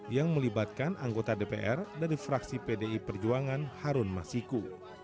yang melibatkan anggota dpr dari fraksi pdi perjuangan harun masiku